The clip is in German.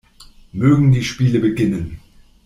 Mögen die Spiele beginnen!